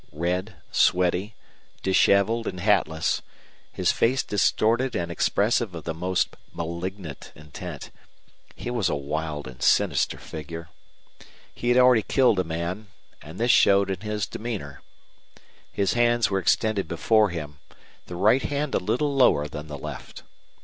Red, sweaty, disheveled, and hatless, his face distorted and expressive of the most malignant intent, he was a wild and sinister figure. He had already killed a man, and this showed in his demeanor. His hands were extended before him, the right hand a little lower than the left.